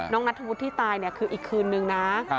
น้องนัททะวุฒิที่ตายคืออีกคืนนึงนะ